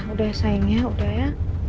udah sayangnya udah ya